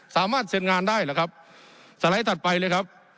สามารถเซ็นงานได้หรือครับสไลด์ถัดไปเลยครับ